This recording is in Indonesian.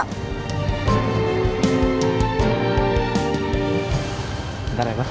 nah antarin aku ke dalam ya